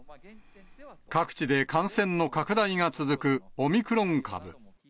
各地で感染の拡大が続くオミクロン株。